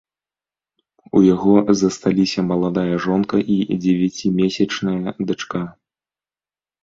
У яго засталіся маладая жонка і дзевяцімесячная дачка.